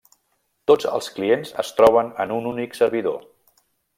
Tots els clients es troben en un únic servidor.